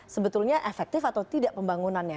sebetulnya efektif atau tidak pembangunannya